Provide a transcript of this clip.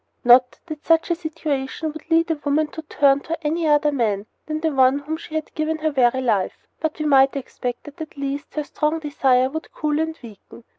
Not that such a situation would lead a woman to turn to any other man than the one to whom she had given her very life; but we might expect that at least her strong desire would cool and weaken.